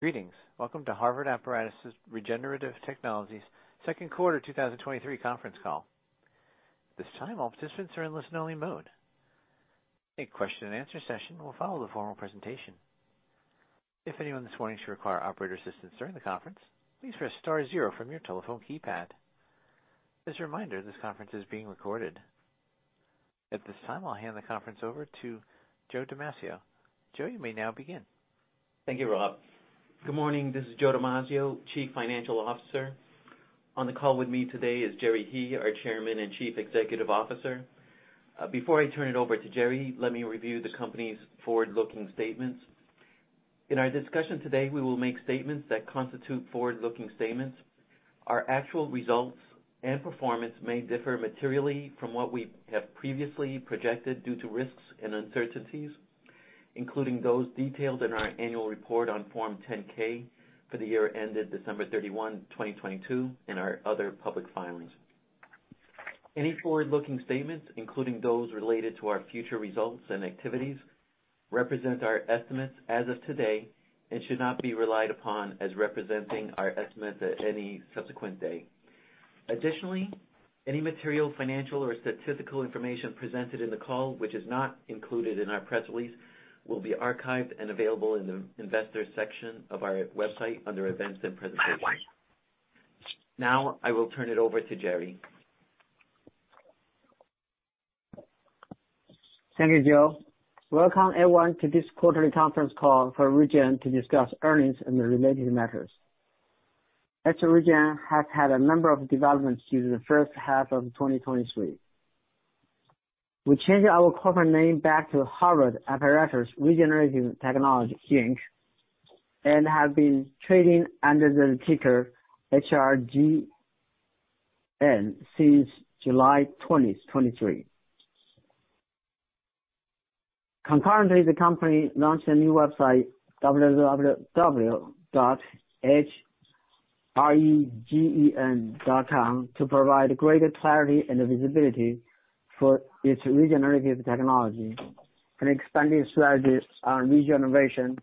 Greetings. Welcome to Harvard Apparatus Regenerative Technology Second Quarter 2023 conference call. This time, all participants are in listen-only mode. A question and answer session will follow the formal presentation. If anyone this morning should require operator assistance during the conference, please press star zero from your telephone keypad. As a reminder, this conference is being recorded. At this time, I'll hand the conference over to Joseph Damasio. Joe, you may now begin. Thank you, Rob. Good morning. This is Joseph Damasio, Chief Financial Officer. On the call with me today is Jerry He, our Chairman and Chief Executive Officer. Before I turn it over to Jerry, let me review the company's forward-looking statements. In our discussion today, we will make statements that constitute forward-looking statements. Our actual results and performance may differ materially from what we have previously projected due to risks and uncertainties, including those detailed in our annual report on Form 10-K for the year ended December 31, 2022, and our other public filings. Any forward-looking statements, including those related to our future results and activities, represent our estimates as of today and should not be relied upon as representing our estimates at any subsequent day. Additionally, any material, financial, or statistical information presented in the call, which is not included in our press release, will be archived and available in the investor section of our website under Events and Presentations. Now, I will turn it over to Jerry. Thank you, Joe. Welcome, everyone, to this quarterly conference call for Regen to discuss earnings and related matters. HRGN has had a number of developments through the first half of 2023. We changed our corporate name back to Harvard Apparatus Regenerative Technology, Inc., and have been trading under the ticker HRGN since July 20, 2023. Concurrently, the company launched a new website, www.hregen.com, to provide greater clarity and visibility for its regenerative technology and expanding strategies on regeneration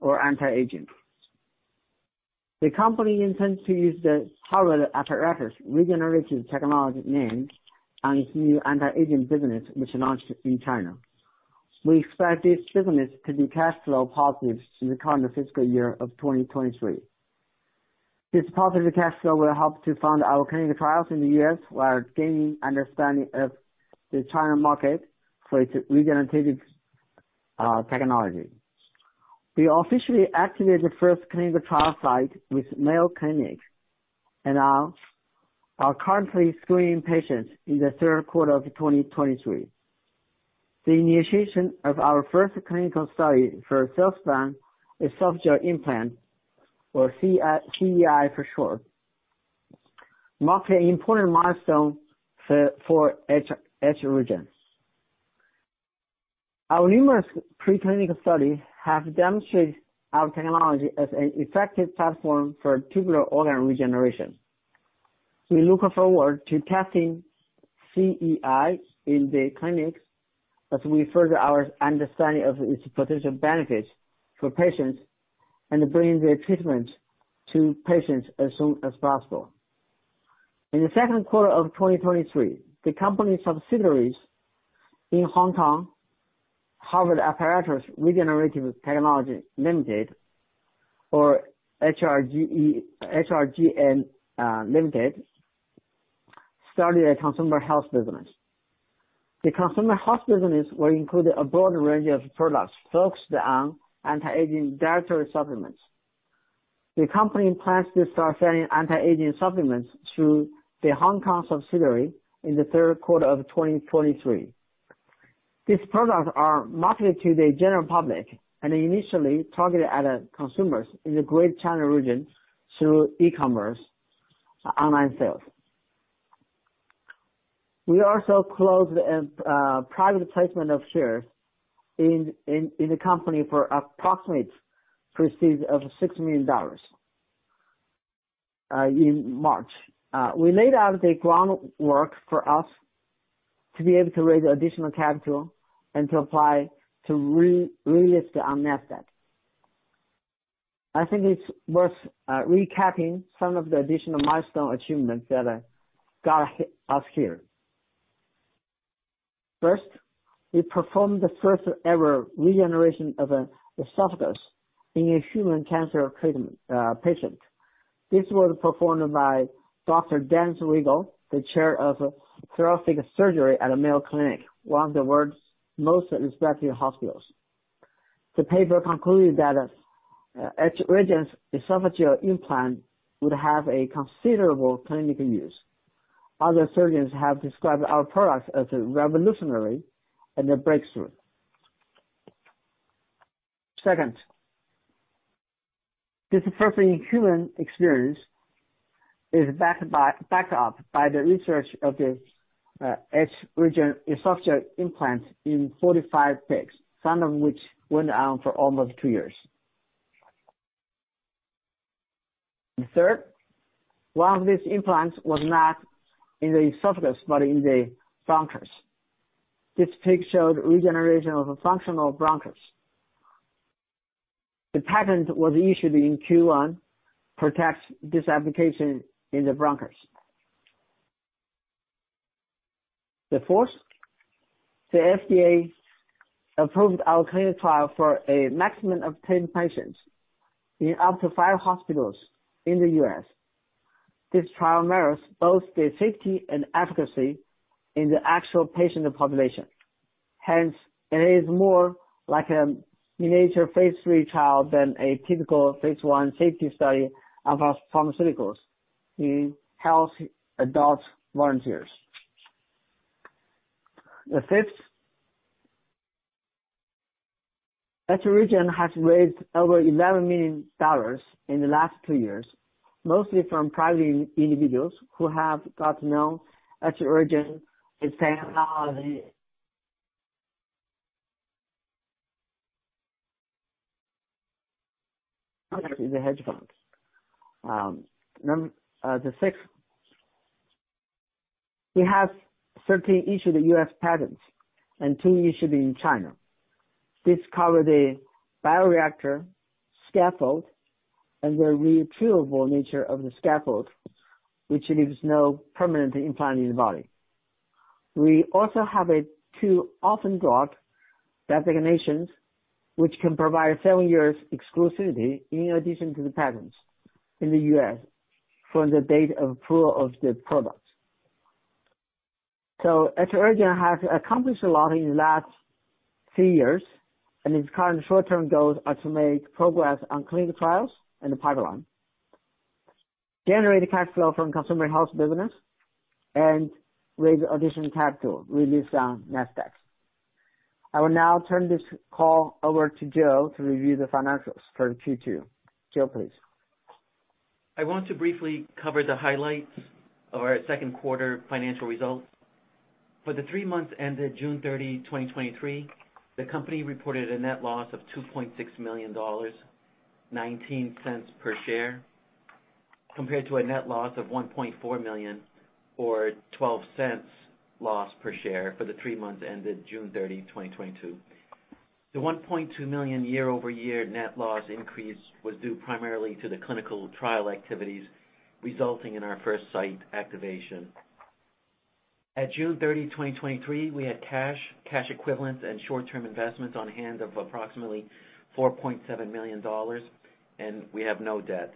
or anti-aging. The company intends to use the Harvard Apparatus Regenerative Technology name on its new anti-aging business, which launched in China. We expect this business to be cash flow positive in the current fiscal year of 2023. This positive cash flow will help to fund our clinical trials in the US, while gaining understanding of the China market for its regenerative technology. We officially activated the first clinical trial site with Mayo Clinic and are currently screening patients in the third quarter of 2023. The initiation of our first clinical study for Cellspan Esophageal Implant, or CEI for short, marked an important milestone for HRGN. Our numerous preclinical studies have demonstrated our technology as an effective platform for tubular organ regeneration. We look forward to testing CEI in the clinic as we further our understanding of its potential benefits for patients and bringing the treatment to patients as soon as possible. In the second quarter of 2023, the company's subsidiaries in Hong Kong, Harvard Apparatus Regenerative Technology Limited or HRGN Limited, started a consumer health business. The consumer health business will include a broad range of products focused on anti-aging dietary supplements. The company plans to start selling anti-aging supplements through the Hong Kong subsidiary in the third quarter of 2023. These products are marketed to the general public and initially targeted at consumers in the Greater China region through e-commerce, online sales. We also closed a private placement of shares in, in, in the company for approximate proceeds of $6 million in March. We laid out the groundwork for us to be able to raise additional capital and to apply to re- relist on Nasdaq. I think it's worth recapping some of the additional milestone achievements that got us here. First, we performed the first-ever regeneration of an esophagus in a human cancer patient, patient. This was performed by Dr. Dennis Wigle, the chair of thoracic surgery at Mayo Clinic, one of the world's most respected hospitals. The paper concluded that HRGN's esophageal implant would have a considerable clinical use. Other surgeons have described our products as revolutionary and a breakthrough. Second, this first human experience is backed up by the research of the HRGN esophageal implant in 45 pigs, some of which went on for almost 2 years. Third, one of these implants was not in the esophagus, but in the bronchus. This pig showed regeneration of a functional bronchus. The patent was issued in Q1, protects this application in the bronchus. The fourth, the FDA approved our clinical trial for a maximum of 10 patients in up to 5 hospitals in the US. This trial mirrors both the safety and efficacy in the actual patient population. Hence, it is more like a miniature Phase 3 trial than a typical Phase 1 safety study of pharmaceuticals in healthy adult volunteers. The 5th, HRGN has raised over $11 million in the last 2 years, mostly from private individuals who have got to know HRGN, its technology, the hedge fund. The 6th, we have 13 issued U.S. patents and 2 issued in China. This covered a bioreactor scaffold and the retrievable nature of the scaffold, which leaves no permanent implant in the body. We also have a 2 orphan drug designations, which can provide 7 years exclusivity in addition to the patents in the U.S. from the date of approval of the product. Regen has accomplished a lot in the last 3 years, and its current short-term goals are to make progress on clinical trials and the pipeline, generate cash flow from consumer health business, and raise additional capital, release on Nasdaq. I will now turn this call over to Joe to review the financials for Q2. Joe, please. I want to briefly cover the highlights of our second quarter financial results. For the three months ended June 30, 2023, the company reported a net loss of $2.6 million, $0.19 per share, compared to a net loss of $1.4 million, or $0.12 loss per share for the three months ended June 30, 2022. The $1.2 million year-over-year net loss increase was due primarily to the clinical trial activities, resulting in our first site activation. At June 30, 2023, we had cash, cash equivalents and short-term investments on hand of approximately $4.7 million, and we have no debt.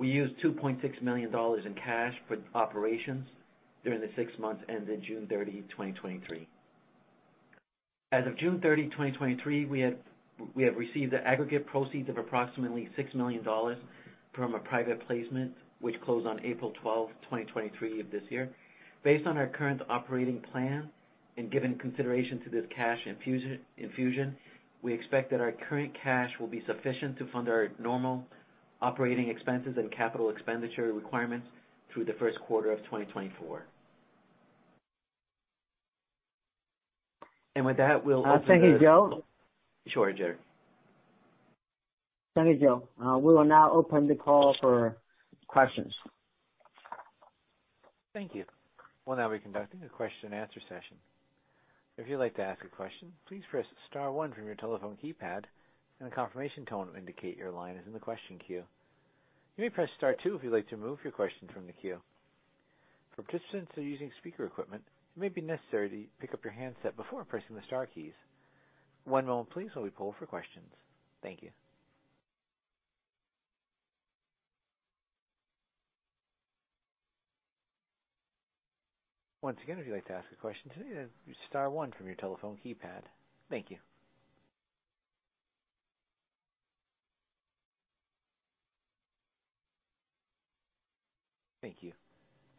We used $2.6 million in cash for operations during the six months ended June 30, 2023. As of June 30, 2023, we have received the aggregate proceeds of approximately $6 million from a private placement, which closed on April 12, 2023 of this year. Based on our current operating plan and giving consideration to this cash infusion, we expect that our current cash will be sufficient to fund our normal operating expenses and capital expenditure requirements through the first quarter of 2024. With that, we'll- Thank you, Joe. Sure, Jerry. Thank you, Joe. We will now open the call for questions. Thank you. We'll now be conducting a question and answer session. If you'd like to ask a question, please press star one from your telephone keypad, and a confirmation tone will indicate your line is in the question queue. You may press star two if you'd like to remove your question from the queue. For participants who are using speaker equipment, it may be necessary to pick up your handset before pressing the star keys. One moment please, while we poll for questions. Thank you. Once again, if you'd like to ask a question, star one from your telephone keypad. Thank you. Thank you.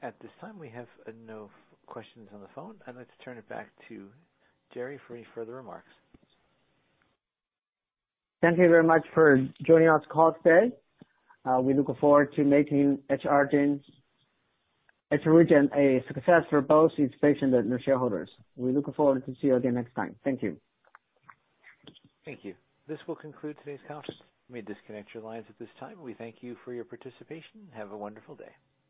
At this time, we have no questions on the phone. I'd like to turn it back to Jerry for any further remarks. Thank you very much for joining us call today. We look forward to making HRGN, HRGN a success for both its patients and the shareholders. We look forward to see you again next time. Thank you. Thank you. This will conclude today's conference. You may disconnect your lines at this time. We thank you for your participation. Have a wonderful day.